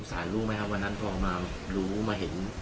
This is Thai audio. สงสารลูกไหมครับวันนั้นพอออกมารู้มาเห็น